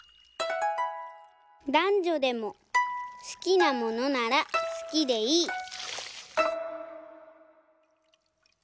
「だんじょでも好きなものなら好きでいい」。